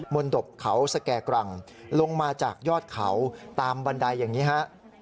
นตบเขาสแก่กรังลงมาจากยอดเขาตามบันไดอย่างนี้ฮะ